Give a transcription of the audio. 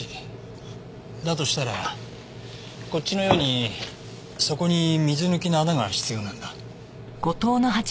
だとしたらこっちのように底に水抜きの穴が必要なんだ。